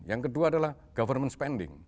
yang kedua adalah government spending